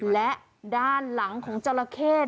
และด้านหลังของจราเข้